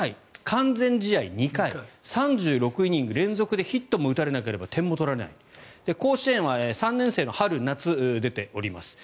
完全試合２回３６イニング連続でヒットも打たれなければ点も取られない甲子園は３年生の春、夏出ております。